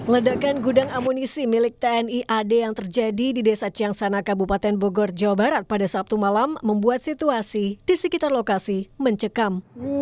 ledakan gudang amunisi milik tni ad yang terjadi di desa ciangsana kabupaten bogor jawa barat pada sabtu malam membuat situasi di sekitar lokasi mencekam